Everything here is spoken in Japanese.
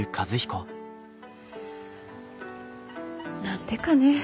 何でかねえ。